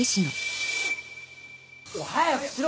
早くしろ！